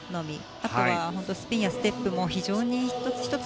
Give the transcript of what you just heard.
あとはスピンやステップも非常に１つ１つ